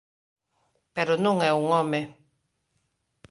Pero non é un home.